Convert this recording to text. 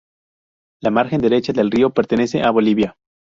La margen derecha del río pertenece a Bolivia.